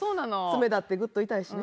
爪だってグッと痛いしね。